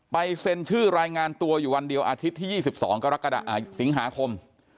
ไปเซ็นชื่อรายงานตัวอยู่วันเดียวอาทิตย์ที่ยี่สิบสองกรกฎาสิงหาคม